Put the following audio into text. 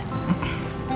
nanti aku datang ke rumah ya